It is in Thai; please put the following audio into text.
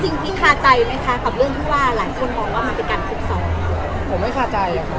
จริงพี่คาใจไหมคะกับเรื่องที่หลายคนมองว่ามันเป็นการคุกซ้อม